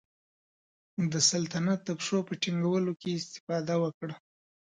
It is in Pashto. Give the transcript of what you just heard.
د سلطنت د پښو په ټینګولو کې استفاده وکړه.